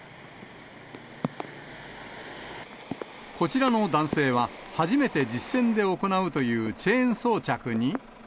こちらの男性は、初めて実践で行うというチェーン装着に。